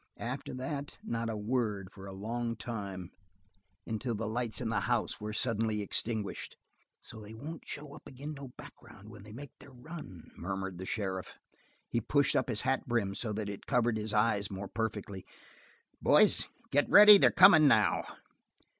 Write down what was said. After that, not a word for a long time until the lights in the house were suddenly extinguished. "So they won't show up agin no background when they make their run," murmured the sheriff. He pushed up his hat brim so that it covered his eyes more perfectly. "Boys, get ready. They're comin' now!"